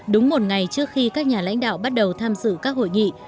đúng một ngày trước khi các nhà lãnh đạo bắt đầu tham dự các hội nghị